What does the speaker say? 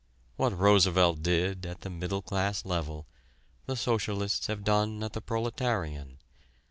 What Roosevelt did at the middle class level, the socialists have done at the proletarian.